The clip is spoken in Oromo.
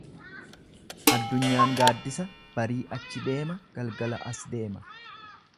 Addunyaan gaaddisa barii achi deema galgala as deema.